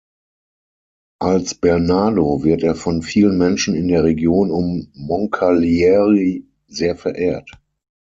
Als „Bernardo“ wird er von vielen Menschen in der Region um Moncalieri sehr verehrt.